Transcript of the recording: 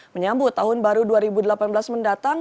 menyambut tahun baru dua ribu delapan belas mendatang